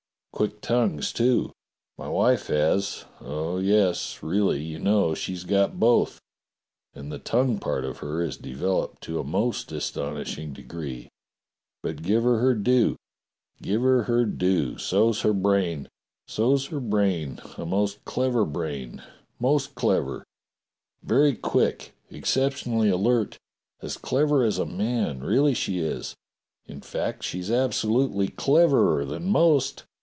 Quick tongues, too. My wife has. Oh, yes, really, you know, she's got both, and the tongue part of her is developed to a most aston ishing degree. But give her her due. Give her her due. So's her brain. So's her brain. A most clever brain — most clever. Very quick; exceptionally alert. As clever as a man, really she is. In fact, she's ab solutely cleverer than most.